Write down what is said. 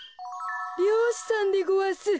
りようしさんでごわす。